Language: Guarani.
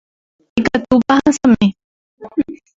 Ikatúpa ahasami